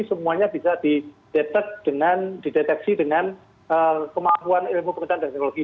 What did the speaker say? semuanya bisa dideteksi dengan kemampuan ilmu pengetahuan dan teknologi